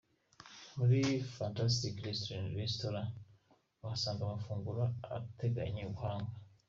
Muri Fantastic Restaurant uhasanga amafunguro atekanye ubuhanga.